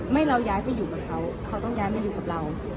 เราย้ายไปอยู่กับเขาเขาต้องย้ายมาอยู่กับเรา